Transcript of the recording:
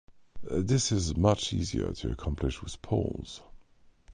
This is much easier to accomplish with poles.